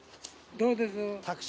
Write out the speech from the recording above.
どうです？